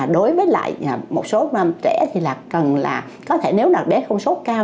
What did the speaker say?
đối với lại một số trẻ thì là cần là có thể nếu là bé không sốt cao